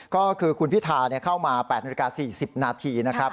ก็คือคุณพิธาเข้ามา๘นาฬิกา๔๐นาทีนะครับ